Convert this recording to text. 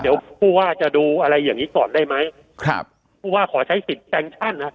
เดี๋ยวผู้ว่าจะดูอะไรอย่างงี้ก่อนได้ไหมครับผู้ว่าขอใช้สิทธิ์แซงชั่นฮะ